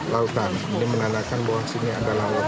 lautan ini menandakan bahwa sini adalah laut